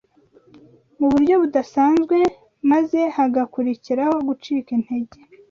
mu buryo budasanzwe, maze hagakurikiraho gucika intege